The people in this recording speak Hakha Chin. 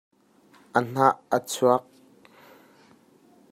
Ka hnah a chuak.